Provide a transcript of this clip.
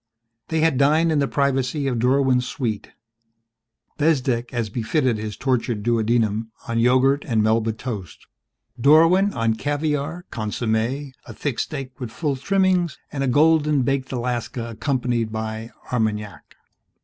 They had dined in the privacy of Dorwin's suite Bezdek as befitted his tortured duodenum on yogurt and Melba toast Dorwin on caviar, consommé, a thick steak with full trimmings, and a golden baked Alaska accompanied by Armagnac.